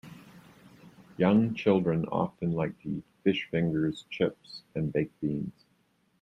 Young children often like to eat fish fingers, chips and baked beans